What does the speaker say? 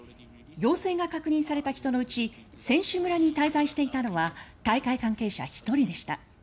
陽性が確認された人のうち選手村に滞在していたのは大会関係者１人でした。